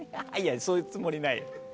そういうつもりはない。